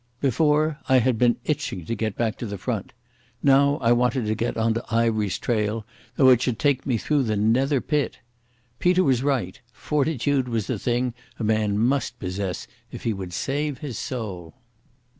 Before I had been itching to get back to the Front; now I wanted to get on to Ivery's trail, though it should take me through the nether pit. Peter was right; fortitude was the thing a man must possess if he would save his soul.